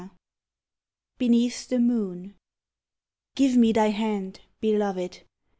BENEATH THE MOON Give me thy hand, Beloved!